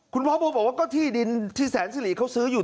คุณพ่อโบบอกว่าก็ที่ดินที่แสนสิริเขาซื้ออยู่